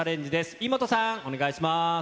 イモトさん、お願いします。